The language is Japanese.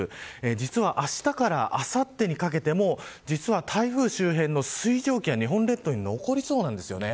実はあしたからあさってにかけても台風周辺の水蒸気が日本列島に残りそうなんですよね。